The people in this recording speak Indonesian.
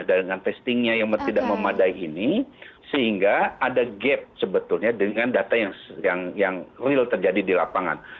dan dengan testingnya yang tidak memadai ini sehingga ada gap sebetulnya dengan data yang real terjadi di lapangan